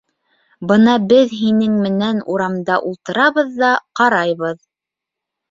Бына беҙ һинең менән урамда ултырабыҙ ҙа ҡарайбыҙ.